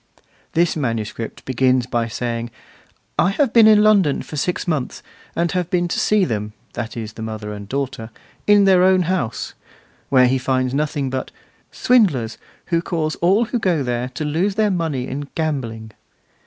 This manuscript begins by saying: 'I have been in London for six months and have been to see them (that is the mother and daughter) in their own house,' where he finds nothing but 'swindlers, who cause all who go there to lose their money in gambling.